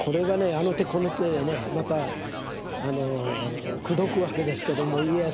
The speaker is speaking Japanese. あの手この手でねまた口説くわけですけども家康を。